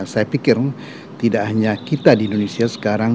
saya pikir tidak hanya kita di indonesia sekarang